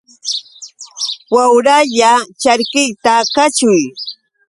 Wayralla charkiykita kaćhuy.